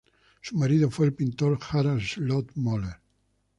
Su marido fue el pintor Harald Slott-Møller.